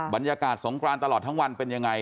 บรรยากาศสงกรานตลอดทั้งวันเป็นยังไง